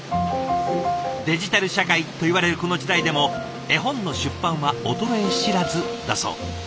デジタル社会といわれるこの時代でも絵本の出版は衰え知らずだそう。